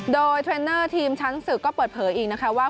โดยเทรนเนอร์ทีมชั้นศึกก็เปิดเผยอีกนะคะว่า